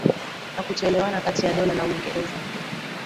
na kutoelewana kati ya Dola la Uingereza